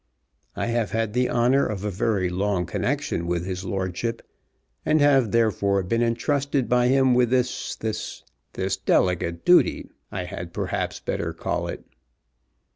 I have had the honour of a very long connexion with his lordship, and have therefore been entrusted by him with this, this, this delicate duty, I had perhaps better call it."